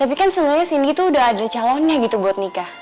tapi kan sebenarnya cindy tuh udah ada calonnya gitu buat nikah